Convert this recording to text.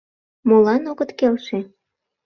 — Молан огыт келше?